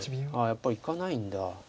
やっぱりいかないんだ。